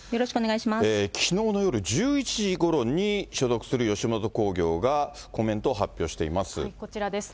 きのうの夜１１時ごろに所属する吉本興業がコメントを発表しこちらです。